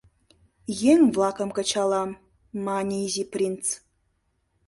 — Еҥ-влакым кычалам, — мане Изи принц.